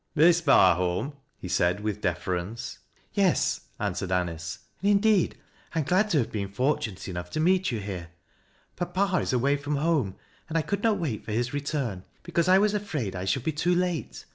" Miss Barholm ?" he said with deference. " Yes," answered Anice. " And indeed I a,m glad to liave been fortunate enough to meet you here. Papa is away from home, and I could not wait for his return, because 1 was afraid I should be too late.